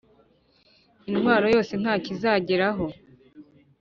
Intwaro yose nta cyo izageraho